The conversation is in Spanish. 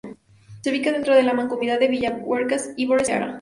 Se ubica dentro de la mancomunidad de Villuercas-Ibores-Jara.